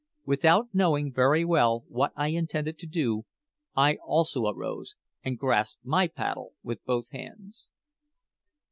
Without knowing very well what I intended to do, I also arose and grasped my paddle with both hands.